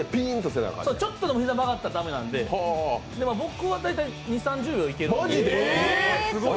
ちょっとでも膝が曲がったら駄目なので僕は大体２０３０秒いけるんです。